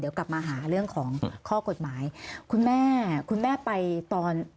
เดี๋ยวกลับมาหาเรื่องของข้อกฎหมายคุณแม่คุณแม่ไปตอน